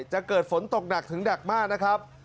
จะเกิดฝนตกหนักถึงหนักมากนะครับ